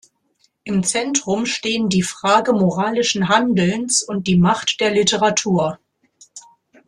Im Zentrum stehen die Frage moralischen Handelns und die Macht der Literatur.